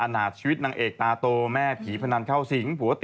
แน่นนะสิ